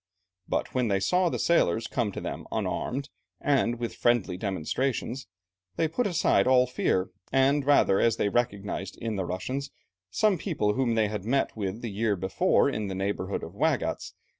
But when they saw the sailors come to them unarmed and with friendly demonstrations, they put aside all fear, the rather as they recognized in the Russians some people whom they had met with the year before in the neighbourhood of Waigatz.